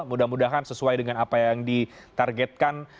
mudah mudahan sesuai dengan apa yang ditargetkan